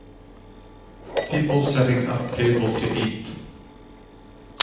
People setting up the table to eat.